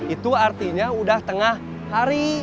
itu artinya udah tengah hari